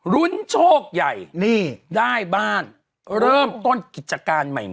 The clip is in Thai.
รุ้นโชคใหญ่นี่ได้บ้านเริ่มต้นกิจการใหม่